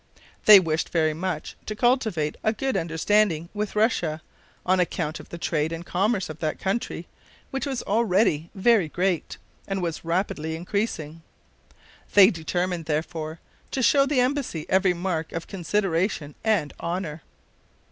They wished very much to cultivate a good understanding with Russia, on account of the trade and commerce of that country, which was already very great, and was rapidly increasing. They determined, therefore, to show the embassy every mark of consideration and honor.